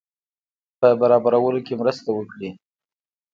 په برابرولو کې مرسته وکړي.